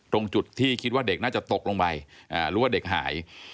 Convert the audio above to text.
ตรงจุดที่คิดว่าเด็กน่าจะตกลงไปหรือว่าเด็กหาย